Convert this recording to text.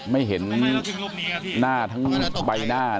ไม่เห็นทั้งใบหน้า